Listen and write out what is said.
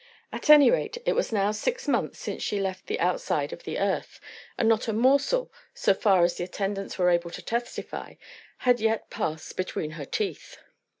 At any rate, it was now six months since she left the outside of the earth; and not a morsel, so far as the attendants were able to testify, had yet passed between her teeth.